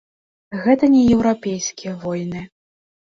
Гэта не еўрапейскія войны.